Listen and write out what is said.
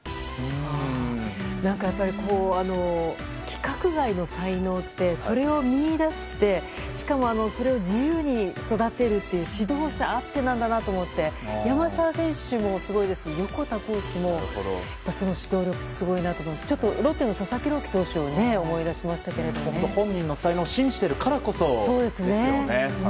規格外の才能ってそれを見いだして、しかもそれを自由に育てるという指導者あってなんだなと思って山沢選手もすごいですし横田コーチもその指導力がすごいなと思ってロッテの佐々木朗希投手を本人の才能を信じているからこそですよね。